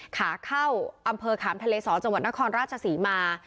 ขาเข้าอำเภอขามทะเลสอจังหวัดนครราชศรีมา